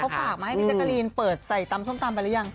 เขาฝากมาให้พี่แจกรีนเปิดใส่ตำส้มตำไปหรือยัง